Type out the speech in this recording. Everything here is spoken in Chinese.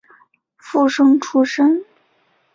附生出身。